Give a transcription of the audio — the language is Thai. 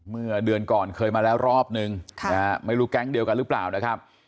เมื่อเดือนก่อนเคยมาแล้วรอบนึงไม่รู้แก๊งเดียวกันหรือเปล่านะครับ